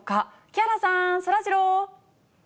木原さん、そらジロー。